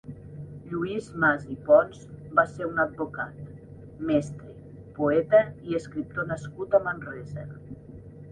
Lluís Mas i Pons va ser un advocat, mestre, poeta i escriptor nascut a Manresa.